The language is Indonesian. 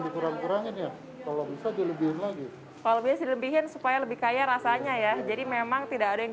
kalau bisa dilebihkan supaya lebih kaya rasanya ya jadi memang tidak ada yang